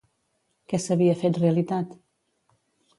Què s'havia fet realitat?